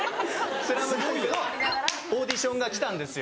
『ＳＬＡＭＤＵＮＫ』のオーディションがきたんですよ。